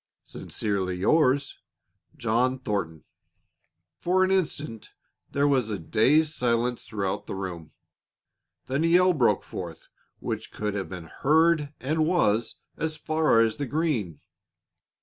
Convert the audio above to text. "Sincerely yours, "JOHN THORNTON." For an instant there was a dazed silence throughout the room. Then a yell broke forth which could have been heard and was as far as the green.